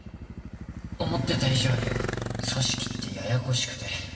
思ってた以上に組織ってややこしくて。